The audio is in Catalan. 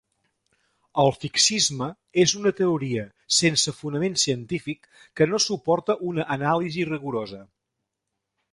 El fixisme és una teoria sense fonament científic que no suporta una anàlisi rigorosa.